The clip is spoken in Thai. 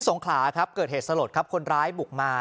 งขลาครับเกิดเหตุสลดครับคนร้ายบุกมา